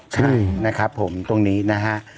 ใช่นะครับผมตรงนี้นะฮะ